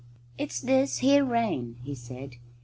"It's this here rain," he said.